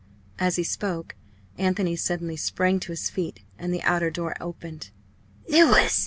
As he spoke, Anthony suddenly sprang to his feet, and the outer door opened. "Louis!"